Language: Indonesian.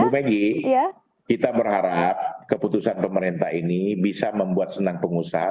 bu megi kita berharap keputusan pemerintah ini bisa membuat senang pengusaha